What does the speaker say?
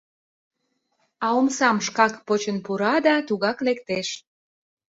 А омсам шкак почын пура да тугак лектеш.